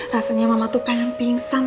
rasanya mama tuh pengen pingsan kok